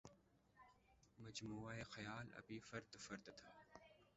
مجموعہ خیال ابھی فرد فرد تھا